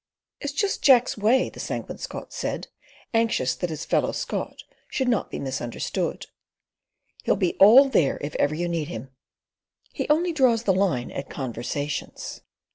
"It's just Jack's way," the Sanguine Scot said, anxious that his fellow Scot should not be misunderstood. "He'll be all there if ever you need him. He only draws the line at conversations."